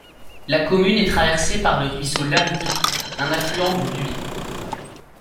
La commune est traversée par le ruisseau Larritou, un affluent du Luy.